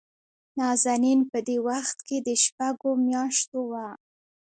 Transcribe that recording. نازنين په دې وخت کې دشپږو مياشتو وه.